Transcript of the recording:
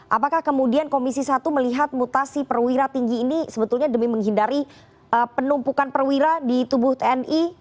apakah kemudian komisi satu melihat mutasi perwira tinggi ini sebetulnya demi menghindari penumpukan perwira di tubuh tni